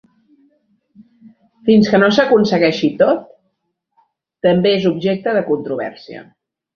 "Fins que no s'aconsegueixi tot" també és objecte de controvèrsia.